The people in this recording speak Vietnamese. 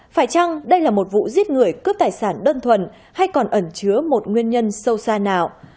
phải chăng đây là một vụ giết người cướp tài sản đơn thuần hay còn ẩn chứa một nguyên nhân sâu xa nào